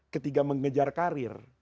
ketika mengejar karir